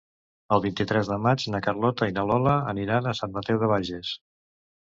El vint-i-tres de maig na Carlota i na Lola aniran a Sant Mateu de Bages.